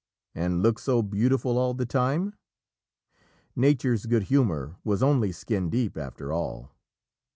and look so beautiful all the time? Nature's good humour was only skin deep, after all."